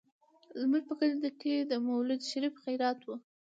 زموږ په کلي کې د مولود شريف خيرات و.